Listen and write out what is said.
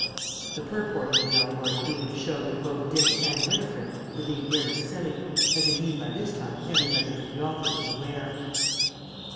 the purport of the allegory being to show that both Dick and Winifred were being very silly, as indeed by this time everybody but the author was aware.